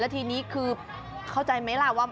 ทีนี้คือเข้าใจไหมล่ะว่า